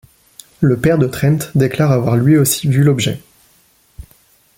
Le père de Trent déclare avoir lui aussi vu l'objet.